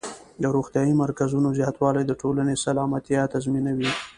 د روغتیايي مرکزونو زیاتوالی د ټولنې سلامتیا تضمینوي.